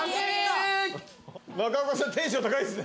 中岡さんテンション高いっすね。